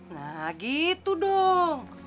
nah gitu dong